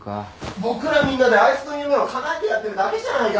僕らみんなであいつの夢をかなえてやってるだけじゃないか。